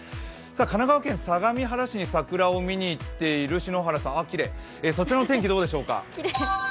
神奈川県相模原市に桜を見に行っている篠原さん、そちらの天気はどうでしょうか。